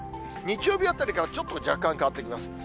日曜日あたりからちょっと若干変わってきます。